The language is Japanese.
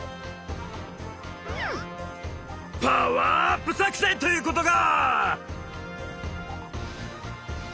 パワーアップ作戦ということか！